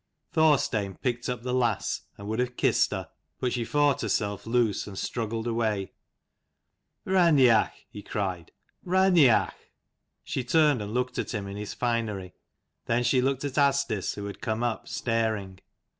Thorstein picked up the lass, and would have kissed her, but she fought herself loose and struggled away. " Raineach !" he cried ;" Raineach !" She turned and looked at him in his finery. Then she looked at Asdis who had come up, staring.